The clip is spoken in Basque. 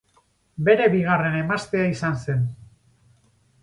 Bere bigarren emaztea izan zen.